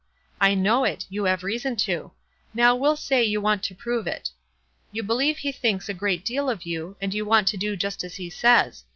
" I know it ; you have reason to. Now we'll say you want to prove it. You believe he thinks a great deal of you, and } r ou want to do just as he says.